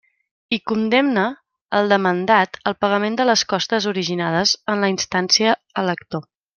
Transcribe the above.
I condemne el demandat al pagament de les costes originades en la instància a l'actor.